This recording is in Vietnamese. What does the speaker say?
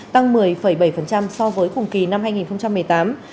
tăng một mươi bảy so với cùng kỳ năm hai nghìn một mươi tám